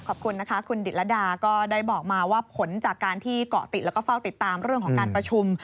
ขอบคุณนะคะคุณดิตรดาก็ได้บอกมาว่าผลจากการที่เกาะติดแล้วก็เฝ้าติดตามเรื่องของการประชุม